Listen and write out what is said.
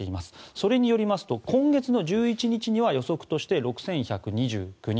それによりますと今月１１日には予測として６１２９人。